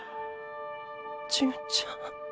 純ちゃん。